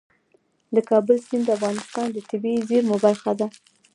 د کابل سیند د افغانستان د طبیعي زیرمو برخه ده.